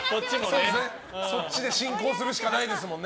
そっちで進行するしかないですもんね。